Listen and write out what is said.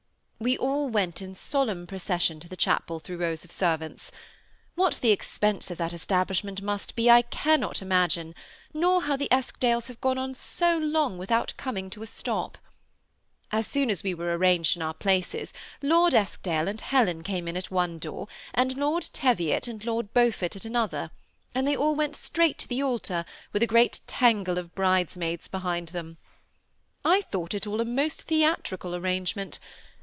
We all went' in solemn procession to the chapel, through rows of servants. YHiat the expense of that establishment must be I cannot imagine, nor how the Eskdales have gone on so long without coming to a stop. As soon as we were arranged in our places, Lord Eskdale and Helen came in at one door, and Lord Teviot and Lord Beaufort at another; and they all went straight to the altar, with a great tangle of brides maids behind them. I thought it all a most theatrical arrangement.